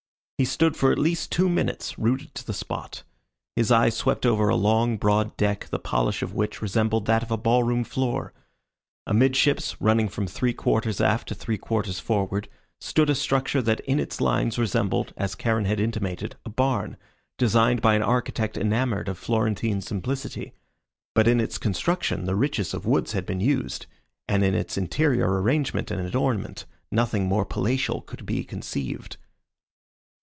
He stood for at least two minutes rooted to the spot. His eye swept over a long, broad deck, the polish of which resembled that of a ball room floor. Amidships, running from three quarters aft to three quarters forward, stood a structure that in its lines resembled, as Charon had intimated, a barn, designed by an architect enamoured of Florentine simplicity; but in its construction the richest of woods had been used, and in its interior arrangement and adornment nothing more palatial could be conceived.